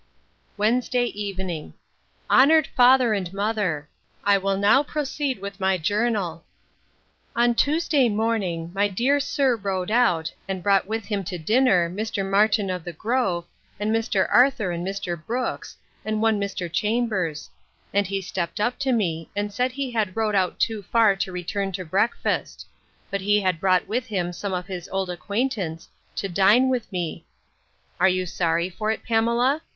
Wednesday evening. HONOURED FATHER AND MOTHER! I will now proceed with my journal. On Tuesday morning, my dear sir rode out, and brought with him to dinner, Mr. Martin of the Grove, and Mr. Arthur, and Mr. Brooks, and one Mr. Chambers; and he stept up to me, and said he had rode out too far to return to breakfast; but he had brought with him some of his old acquaintance, to dine with me. Are you sorry for it, Pamela?